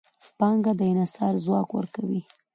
پانګه د انحصار ځواک ورکوي.